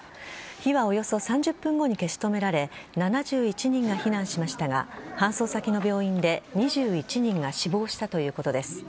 火はおよそ３０分後に消し止められ７１人が避難しましたが搬送先の病院で２１人が死亡したということです。